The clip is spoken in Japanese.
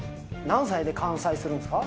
何歳で完済するんですか？